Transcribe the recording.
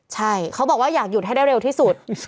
ใช่เขาบอกว่าอยากหยุดให้ได้เร็วที่สุด